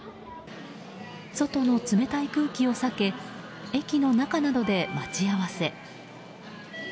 外の冷たい空気を避け駅の中などで待ち合わせ。